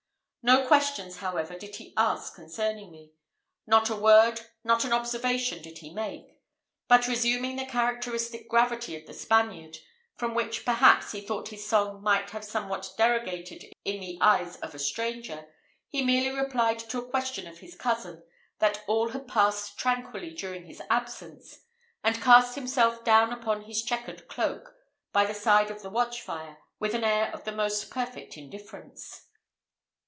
No questions, however, did he ask concerning me. Not a word, not an observation did he make; but resuming the characteristic gravity of the Spaniard, from which, perhaps, he thought his song might have somewhat derogated in the eyes of a stranger, he merely replied to a question of his cousin, that all had passed tranquilly during his absence, and cast himself down upon his checkered cloak, by the side of the watch fire, with an air of the most perfect indifference.